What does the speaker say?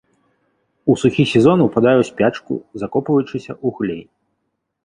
У сухі сезон упадае ў спячку, закопваючыся ў глей.